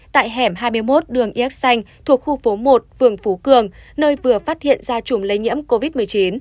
tại hẻm hai mươi một đường yax xanh thuộc khu phố một phường phú cường nơi vừa phát hiện ra chùm lây nhiễm covid một mươi chín